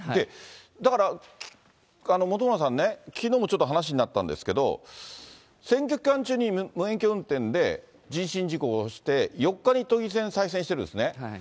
だから、本村さんね、きのうもちょっと話になったんですけど、選挙期間中に無免許運転で人身事故をして、４日に都議選再選してるんですね。